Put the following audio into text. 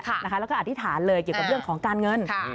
แล้วก็อธิษฐานเลยเกี่ยวกับเรื่องของการเงิน